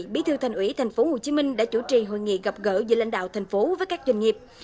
bí thư thành ủy tp hcm đã chủ trì hội nghị gặp gỡ giữa lãnh đạo thành phố với các doanh nghiệp